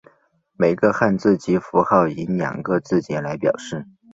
每个汉字及符号以两个字节来表示。